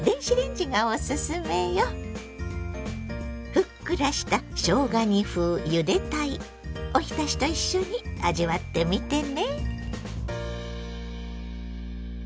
ふっくらしたしょうが煮風ゆで鯛おひたしと一緒に味わってみてね。